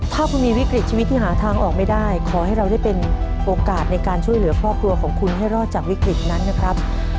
ถ้าคุณมีวิกฤตชีวิตที่หาทางออกไม่ได้ขอให้เราได้เป็นโอกาสในการช่วยเหลือครอบครัวของคุณให้รอดจากวิกฤตนั้นนะครับ